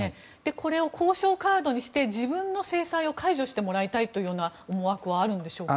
これを交渉カードにして自分の制裁を解除してもらいたいという思惑はあるんでしょうか。